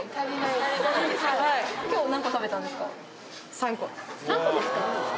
３個ですか！？